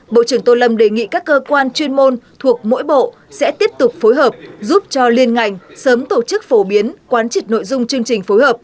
bộ trưởng tô lâm đề nghị các cơ quan chuyên môn thuộc mỗi bộ sẽ tiếp tục phối hợp giúp cho liên ngành sớm tổ chức phổ biến quán trịt nội dung chương trình phối hợp